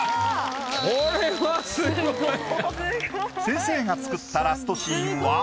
先生が作ったラストシーンは。